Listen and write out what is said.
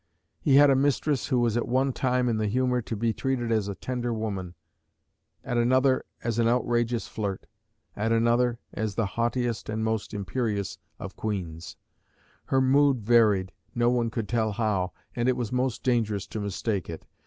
He had a mistress who was at one time in the humour to be treated as a tender woman, at another as an outrageous flirt, at another as the haughtiest and most imperious of queens; her mood varied, no one could tell how, and it was most dangerous to mistake it.